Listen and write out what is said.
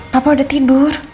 papa udah tidur